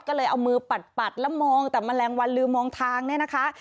ก็เลยเอามือปัดแล้วมองแต่แมลงวันลืมมองทางเนี่ยนะคะ